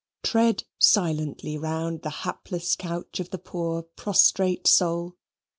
Tread silently round the hapless couch of the poor prostrate soul.